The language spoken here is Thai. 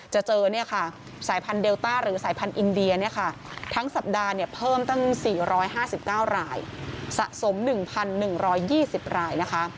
จะเจอสายพันธุเดลต้าหรือสายพันธุ์อินเดียทั้งสัปดาห์เพิ่มตั้ง๔๕๙รายสะสม๑๑๒๐รายนะคะ